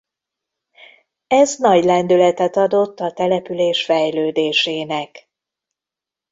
Ez nagy lendületet adott a település fejlődésének.